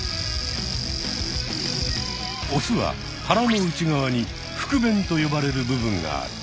オスは腹の内側に腹弁と呼ばれる部分がある。